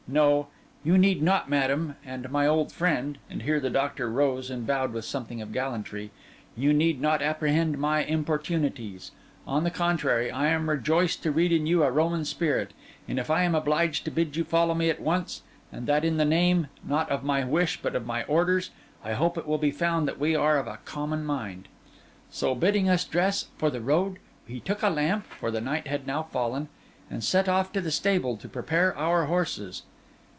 No: you need not, madam, and my old friend'—and here the doctor rose and bowed with something of gallantry—'you need not apprehend my importunities. On the contrary, I am rejoiced to read in you a Roman spirit; and if I am obliged to bid you follow me at once, and that in the name, not of my wish, but of my orders, I hope it will be found that we are of a common mind.' So, bidding us dress for the road, he took a lamp (for the night had now fallen) and set off to the stable to prepare our horses.